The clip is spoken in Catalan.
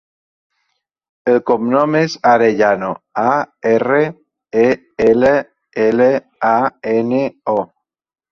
El cognom és Arellano: a, erra, e, ela, ela, a, ena, o.